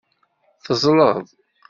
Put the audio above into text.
Teẓẓleḍ.